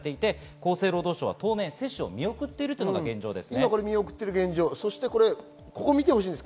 厚生労働省は接種を見送っているのが現状です。